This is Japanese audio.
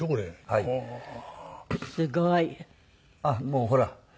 あっもうほら。